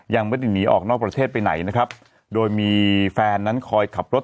ยังไม่ได้หนีออกนอกประเทศไปไหนนะครับโดยมีแฟนนั้นคอยขับรถ